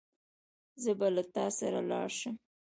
زه به له تا سره لاړ شم.